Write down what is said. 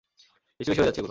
বেশিবেশি হয়ে যাচ্ছে এগুলো।